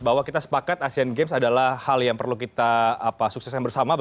bahwa kita sepakat asean games adalah hal yang perlu kita sukseskan bersama